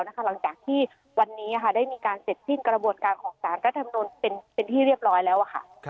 หลังจากที่วันนี้ได้มีการเสร็จสิ้นกระบวนการของสารรัฐมนุนเป็นที่เรียบร้อยแล้วค่ะ